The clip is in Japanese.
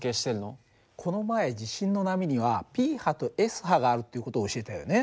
この前地震の波にはＰ波とＳ波があるっていう事を教えたよね。